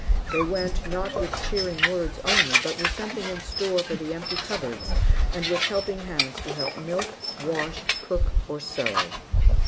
They went, not with cheering words only, but with something in store for the empty cupboards and with ready hands to help to milk, wash, cook, or sew.